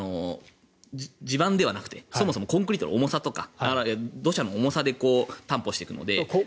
地盤ではなくてそもそもコンクリートの重さとか土砂の重さで担保していくので。